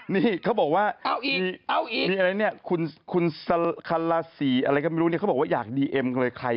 นี่เขาบอกว่าคุณคาลาซีอะไรก็ไม่รู้เขาบอกว่าอยากดีเอ็มเลยใคร